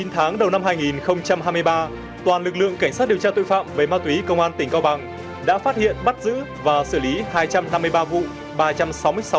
chín tháng đầu năm hai nghìn hai mươi ba toàn lực lượng cảnh sát điều tra tội phạm về ma túy công an tỉnh cao bằng đã phát hiện bắt giữ và xử lý hai trăm năm mươi ba vụ